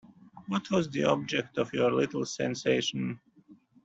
What was the object of your little sensation.